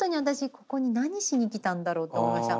ここに何しに来たんだろうって思いました。